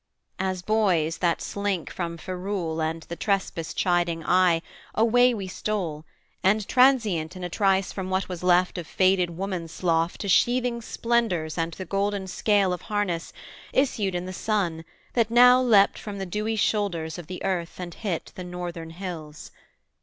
As boys that slink From ferule and the trespass chiding eye, Away we stole, and transient in a trice From what was left of faded woman slough To sheathing splendours and the golden scale Of harness, issued in the sun, that now Leapt from the dewy shoulders of the Earth, And hit the Northern hills.